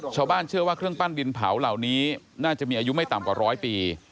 ชาวบ้านเชื่อว่าเครื่องปั้นดินเผาเหล่านี้น่าจะมีอายุไม่ต่ำกว่าร้อยปี